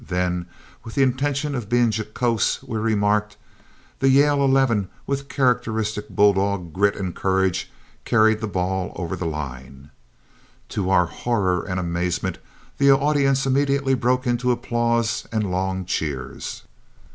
Then, with the intention of being jocose, we remarked, "The Yale eleven with characteristic bulldog grit and courage carried the ball over the line." To our horror and amazement the audience immediately broke into applause and long cheers.